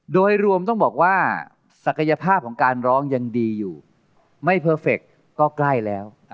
โดยรวมต้องบอกว่าศักยภาพของการร้องยังดีอยู่ไม่เพอร์เฟคก็ใกล้แล้ว